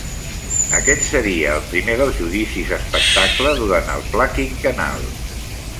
Aquest seria el primer dels judicis espectacle durant el Pla Quinquennal.